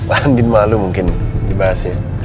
andin malu mungkin dibahas ya